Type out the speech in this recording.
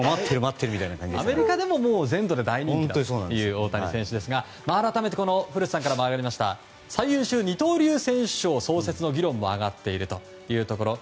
アメリカでももう全土で大人気だという大谷選手ですが改めて古田さんからもありました最優秀二刀流選手賞創設の議論も上がっているというところ。